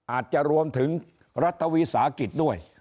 อาจจะรวมถึงรัฐวิสาหกิจด้วย